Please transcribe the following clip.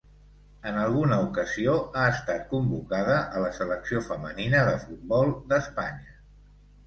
En alguna ocasió ha estat convocada a la selecció femenina de futbol d'Espanya.